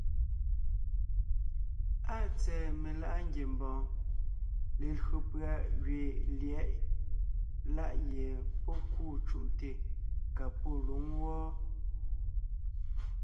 Áa tsɛ̀ɛ meláʼa ngiembɔɔn, lelÿò pʉ̀a gẅiin lyɛ̌ʼɛ láʼ gie pɔ́ kûu cúʼte ka pɔ́ lwǒŋ wɔ́ɔ.